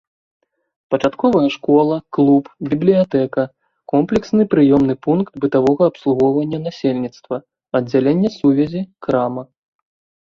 Пачатковая школа, клуб, бібліятэка, комплексны прыёмны пункт бытавога абслугоўвання насельніцтва, аддзяленне сувязі, крама.